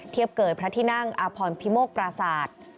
เทียบเกิดพระทินั่งอพิโมกปราศาสตร์